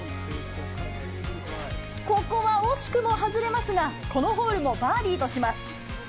ここは惜しくも外れますが、このホールもバーディーとします。